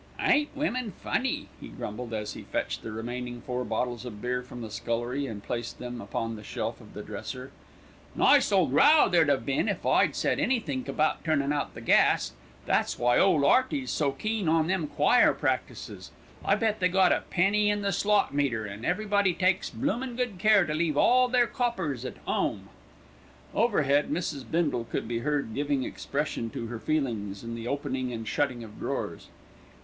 "Ain't women funny," he grumbled, as he fetched the remaining four bottles of beer from the scullery, and placed them upon the shelf of the dresser. "Nice ole row there'd 'ave been if I'd said anythink about turnin' out the gas. That's why ole 'Earty's so keen on them choir practices. I bet they got a penny in the slot meter, an' everybody takes bloomin' good care to leave all their coppers at 'ome." Overhead, Mrs. Bindle could be heard giving expression to her feelings in the opening and shutting of drawers.